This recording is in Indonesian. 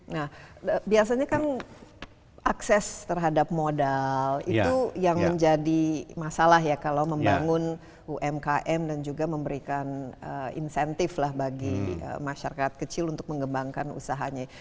nah biasanya kan akses terhadap modal itu yang menjadi masalah ya kalau membangun umkm dan juga memberikan insentif lah bagi masyarakat kecil untuk mengembangkan usahanya